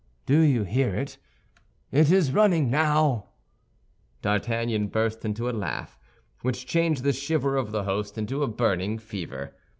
Do you hear it? It is running now." D'Artagnan burst into a laugh which changed the shiver of the host into a burning fever.